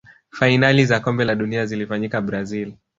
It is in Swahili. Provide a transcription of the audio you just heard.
fainali za kombe la dunia zilifanyikia brazil